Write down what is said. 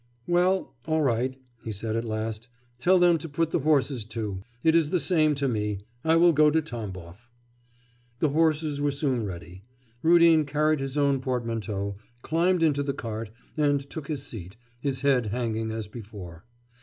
'Well, all right,' he said at last, 'tell them to put the horses to. It is the same to me; I will go to Tamboff.' The horses were soon ready. Rudin carried his own portmanteau, climbed into the cart, and took his seat, his head hanging as before.